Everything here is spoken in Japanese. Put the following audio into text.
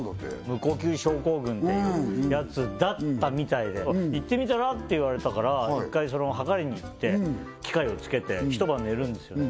無呼吸症候群っていうやつだったみたいで「行ってみたら？」って言われたから一回測りに行って機械をつけて一晩寝るんですよね